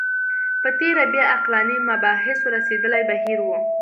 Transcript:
په تېره بیا عقلاني مباحثو رسېدلی بهیر و